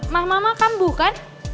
mah mama kan bukan